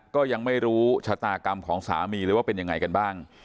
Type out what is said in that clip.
ก็ยังไม่รู้ชะตากรรมของสามีเลยว่าเป็นยังไงกันบ้าง